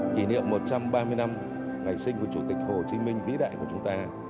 kỷ niệm một trăm ba mươi năm ngày sinh của chủ tịch hồ chí minh vĩ đại của chúng ta